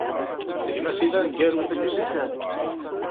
D gma-s i d aneggaru i d-yusan.